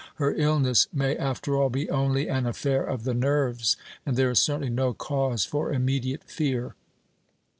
Her illness may, after all, be only an affair of the nerves; and there is certainly no cause for immediate fear."